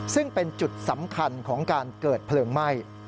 ซึ่งเป็นจุดสำคัญของการเกิดเพลิงไหม้